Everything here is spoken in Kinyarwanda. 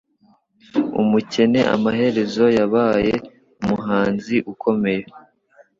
Umukene amaherezo yabaye umuhanzi ukomeye.